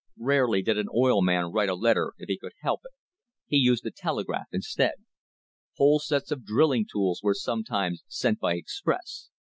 Rarely did an oil man write a letter if he could help it. He used the telegraph instead. Whole sets of drilling tools were sometimes sent by express.